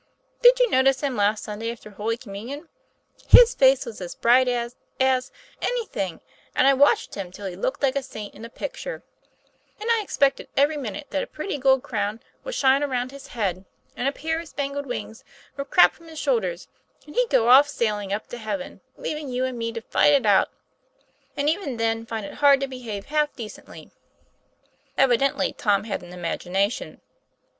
Did you notice him last Sunday after Holy Communion ? His face was a TOM PLAYFAfR. 219 bright as as anything, and I watched him till he looked like a saint in a picture; and I expected every minute that a pretty gold crown would shine around his head and a pair of spangled wings would crop from his shoulders, and he'd go off sailing up to heaven, leaving you and me to fight it out, and even then find it hard to behave half decently." Evidently Tom had an imagination.